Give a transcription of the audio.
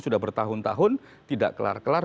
sudah bertahun tahun tidak kelar kelar